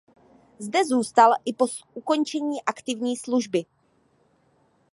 Zde zůstal i po ukončení aktivní služby.